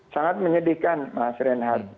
sangat menyedihkan mas renhard